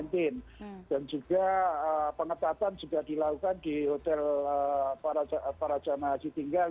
dan juga pengetapan juga dilakukan di hotel para jamaah haji tinggal